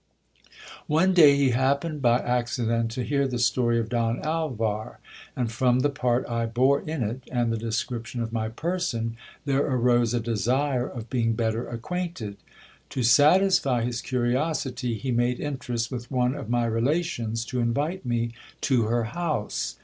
One day he happened by accident to hear the story of Don Alvar ; and, from the part I bore in it and the description of my person, there arose a desire of being better acquainted. To satisfy his curiosity, he made interest with one of my relations to invite me to her house.